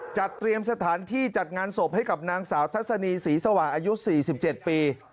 จัดเตรียมสถานที่จัดงานศพให้กับนางสาวทัศนีศรีสว่างอายุ๔๗ปี